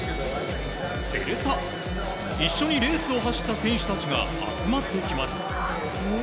すると、一緒にレースを走った選手たちが集まってきます。